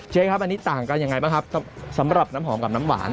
เชฟครับอันนี้ต่างกันยังไงบ้างครับสำหรับน้ำหอมกับน้ำหวาน